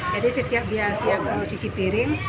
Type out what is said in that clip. jadi setiap dia siap mencuci piring